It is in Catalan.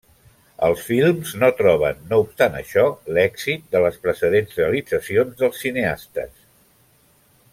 Els films no troben no obstant això l'èxit de les precedents realitzacions dels cineastes.